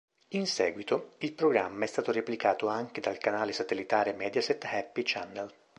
In seguito, il programma è stato replicato anche dal canale satellitare Mediaset Happy Channel.